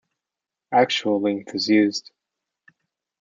Actual length is used.